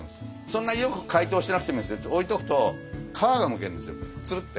そんなによく解凍してなくても置いとくと皮がむけるんですよツルッて。